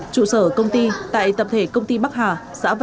trụ sở công ty tại tập thể công ty bắc hà